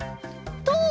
とう！